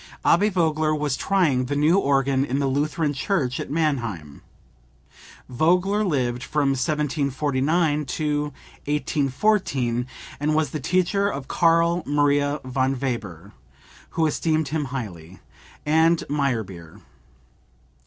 Abbe Vogler was trying the new organ in the Lutheran church at Mannheim. Vogler lived from 1749 to 1814, and was the teacher of Karl Maria von Weber (who esteemed him highly) and Meyerbeer.